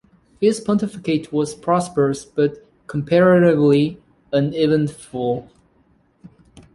His pontificate was prosperous, but comparatively uneventful.